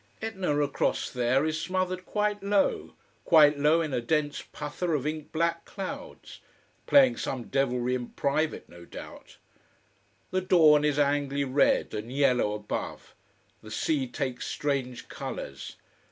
Etna across there is smothered quite low, quite low in a dense puther of ink black clouds. Playing some devilry in private, no doubt. The dawn is angry red, and yellow above, the sea takes strange colors.